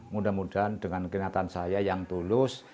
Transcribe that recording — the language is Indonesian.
mudah mudahan dengan kenyataan saya yang tulus